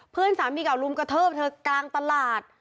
เพื่อนสามีเก่าลุมกระทืบเธอกลางตลาด